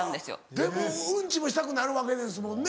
でもウンチもしたくなるわけですもんね。